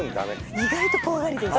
意外と怖がりです